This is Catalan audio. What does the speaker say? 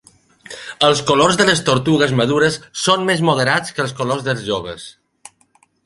Els colors de les tortugues madures són més moderats que els colors dels joves.